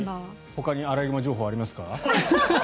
ほかにアライグマ情報ありますか？